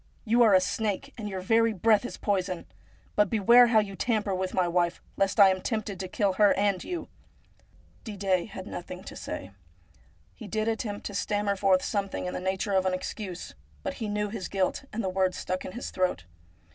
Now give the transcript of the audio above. You are a snake, and your very breath is poison ! But beware how you tamper with my wife, lest I am tempted to kill her and you. ' Didet had nothing to say. He did attempt to stammer forth something in the nature of an excuse, but he knew his guilt, and the words stuck in his throat.